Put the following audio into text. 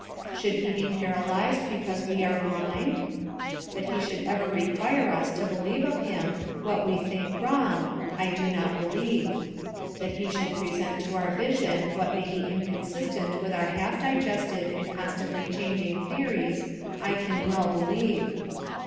Should he be paralyzed because we are blind? That he should ever require us to believe of him what we think wrong, I do not believe; that he should present to our vision what may be inconsistent with our half digested and constantly changing theories, I can well believe.